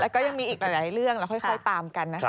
แล้วก็ยังมีอีกหลายเรื่องแล้วค่อยตามกันนะคะ